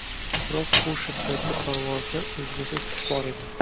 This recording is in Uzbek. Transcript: Biroq bu shiddatli parvozda o‘zgacha Kuch bor edi